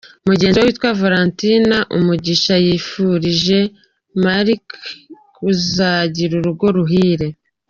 Mugenzi we witwa Valentine Umugisha yifurije Markle kuzagira urugo ruhire.